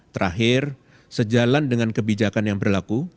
terakhir sejalan dengan kebijakan yang berlaku